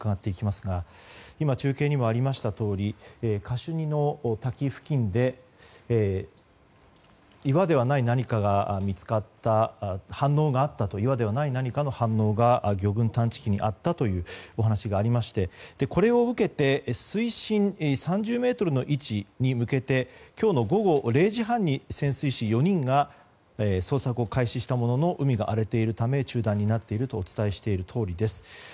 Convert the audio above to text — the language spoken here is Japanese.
中継にもあったとおりカシュニの滝付近で岩ではない何かが見つかった反応があったと魚群探知機にあったというお話がありましてこれを受けて水深３０ｍの位置に向けて今日の午後０時半に潜水士４人が捜索を開始したものの海が荒れているため中断になっているとお伝えしているとおりです。